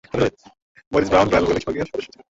Morris Brown Royal ভৌগোলিক সংঘের সদস্য ছিলেন।